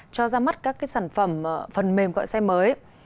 cho ra mắt các cái sản phẩm phần mềm gọi xe mới